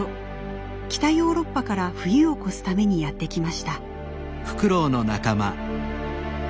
北ヨーロッパから冬を越すためにやって来ました。